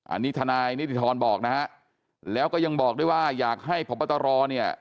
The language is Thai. อันนี้ทนายนิติธรบอกนะฮะแล้วก็ยังบอกด้วยว่าอยากให้พบตรเนี่ย